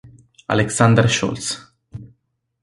Alexander Scholz